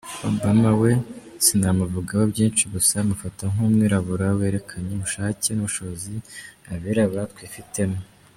Obama we sinamuvugaho byinshi gusa mufata nk’umwirabura werekanye ubushake n’ubushobozi abirabura twifitemo.